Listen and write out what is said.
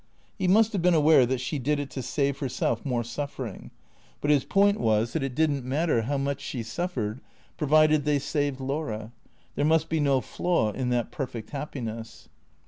He must have been aware that she did it to save herself more suf fering ; but his point was that it did n't matter how much she suffered, provided they saved Laura. There must be no flaw in that perfect happiness.